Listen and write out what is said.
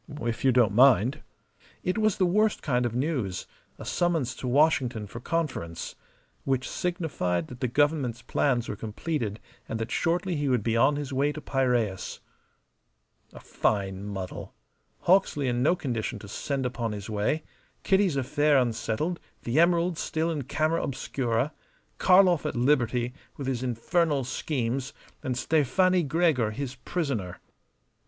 "If you don't mind." It was the worst kind of news a summons to Washington for conference. Which signified that the Government's plans were completed and that shortly he would be on his way to Piraeus. A fine muddle! Hawksley in no condition to send upon his way; Kitty's affair unsettled; the emeralds still in camera obscura; Karlov at liberty with his infernal schemes, and Stefani Gregor his prisoner.